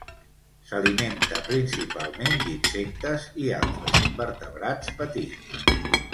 S'alimenta principalment d'insectes i altres invertebrats petits.